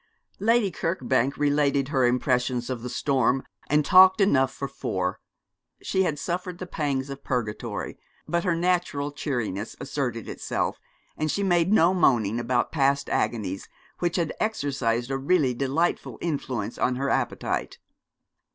Lady Kirkbank related her impressions of the storm, and talked enough for four. She had suffered the pangs of purgatory, but her natural cheeriness asserted itself, and she made no moaning about past agonies which had exercised a really delightful influence on her appetite.